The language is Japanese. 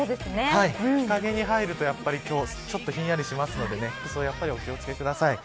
日陰に入ると今日はひんやりしますので服装に気を付けてください。